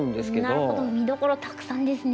なるほど見どころたくさんですね。